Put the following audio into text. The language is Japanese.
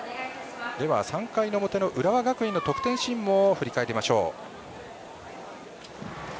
３回の表の浦和学院の得点シーンも振り返りましょう。